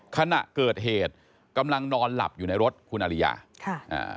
ขณะเกิดเหตุกำลังนอนหลับอยู่ในรถคุณอริยาค่ะอ่า